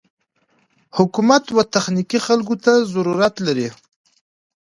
حکومت و تخنيکي خلکو ته ضرورت لري.